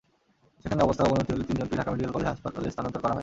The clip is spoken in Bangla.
সেখানে অবস্থার অবনতি হলে তিনজনকেই ঢাকা মেডিকেল কলেজ হাসপাতালে স্থানান্তর করা হয়।